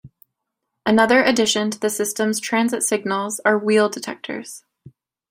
Another addition to the system's transit signals are Wheel Detectors.